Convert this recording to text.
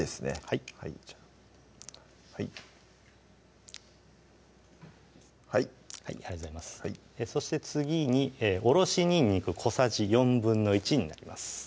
はいはいはいありがとうございますそして次におろしにんにく小さじ１／４になります